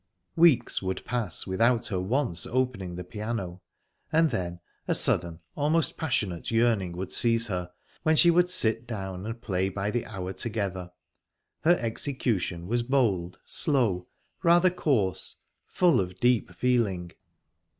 Weeks would pass without her once opening the piano, and then a sudden, almost passionate yearning would seize her, when she would sit down and play by the hour together. Her execution was bold, slow, rather coarse, full of deep feeling.